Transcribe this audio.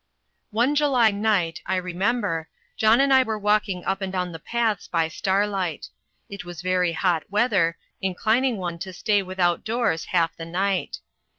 One July night, I remember, John and I were walking up and down the paths by star light. It was very hot weather, inclining one to stay without doors half the night.